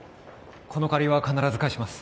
この借りは必ず返します